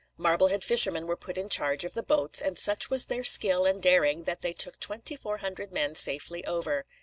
Marblehead fishermen were put in charge of the boats, and such was their skill and daring that they took twenty four hundred men safely over.